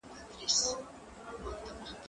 زه کولای سم سبزیجات جمع کړم،